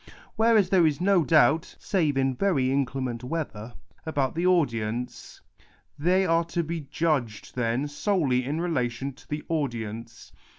Whereas there is no doubt (save in very inclement weather) about tlic audience. They are to be judged, then, solely in relation to the audience.